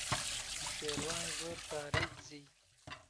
شێروان زۆر پارەی دزی.